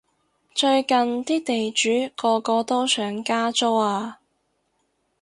最近啲地主個個都想加租啊